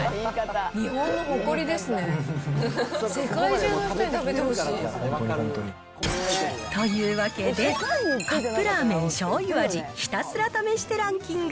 日本の誇りですね。というわけで、カップラーメンしょうゆ味、ひたすら試してランキング。